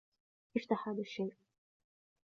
إفتح هذا الشئ!